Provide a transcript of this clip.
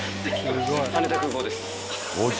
羽田空港です。